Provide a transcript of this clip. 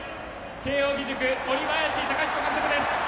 慶応義塾、森林貴彦監督です。